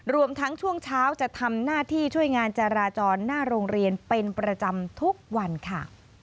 รวมทั้งช่วงเช้าจะทำหน้าที่ช่วยงานจราจรหน้าโรงเรียนเป็นประจำทุกวันค่ะ